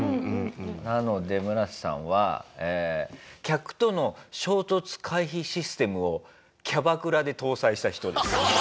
なのでムラセさんは。客との衝突回避システムをキャバクラで搭載した人です。